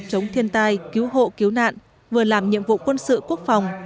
chống thiên tai cứu hộ cứu nạn vừa làm nhiệm vụ quân sự quốc phòng